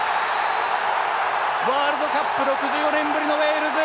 ワールドカップ６４年ぶりのウェールズ。